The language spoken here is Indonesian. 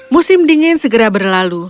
musim dingin segera berlalu